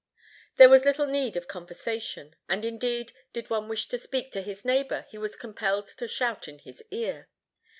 There was little need of conversation; and, indeed, did one wish to speak to his neighbor, he was compelled to shout in his ear.